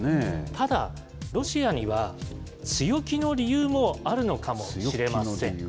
ただ、ロシアには強気の理由もあるのかもしれません。